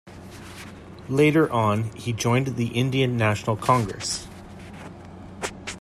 Later on he joined the Indian National Congress.